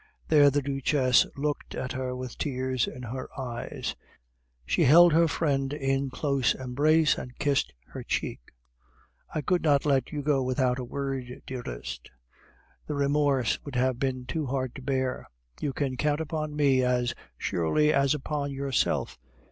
There the Duchess looked at her with tears in her eyes; she held her friend in close embrace and kissed her cheek. "I could not let you go without a word, dearest; the remorse would have been too hard to bear. You can count upon me as surely as upon yourself.